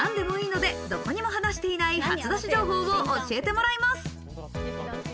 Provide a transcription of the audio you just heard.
何でもいいので、どこにも話していない初出し情報を教えてもらいます。